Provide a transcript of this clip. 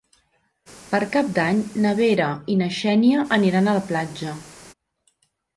Per Cap d'Any na Vera i na Xènia aniran a la platja.